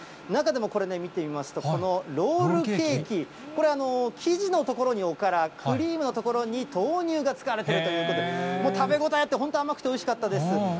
中でもこれね、見てみますと、このロールケーキ、これ、生地のところにおから、クリームの所に豆乳が使われているということで、もう食べ応えあって、本当、甘くておいしかったです。